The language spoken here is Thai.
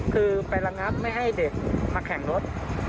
คือไประงับไม่ให้เด็กมาแข่งรถ